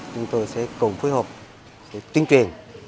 chúng tôi sẽ cùng phù hợp tuyên truyền